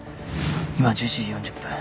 今は１１時４０分。